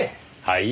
はい？